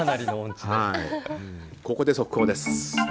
ここで、速報です。